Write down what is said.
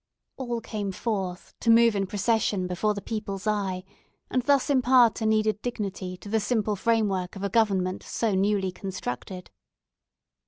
All came forth to move in procession before the people's eye, and thus impart a needed dignity to the simple framework of a government so newly constructed.